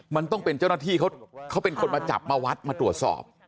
มันต้องเป็นเจ้าหน้าที่เขาเป็นคนมาจับมาวัดมาตรวจสอบ